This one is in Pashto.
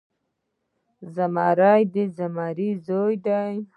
زمری د زمري زوی دی.